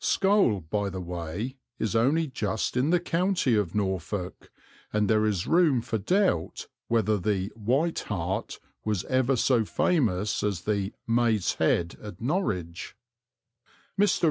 Scole, by the way, is only just in the county of Norfolk, and there is room for doubt whether the "White Hart" was ever so famous as the "Maid's Head" at Norwich. Mr.